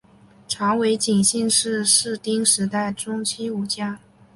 长尾景信是室町时代中期武将。